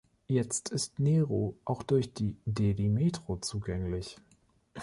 Jetzt ist Nehru auch durch die Delhi Metro zugänglich.